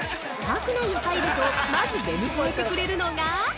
パーク内に入るとまず出迎えてくれるのが◆